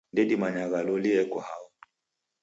Ndedimanyagha loli eko hao.